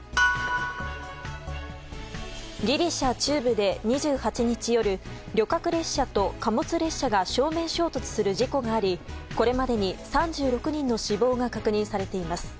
ギリシャ中部で２８日夜旅客列車と貨物列車が正面衝突する事故がありこれまでに３６人の死亡が確認されています。